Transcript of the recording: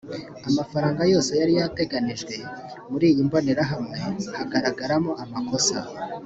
amafaranga yose yariyateganijwe muri iyi mbonerahamwe hagaragaramo amakosa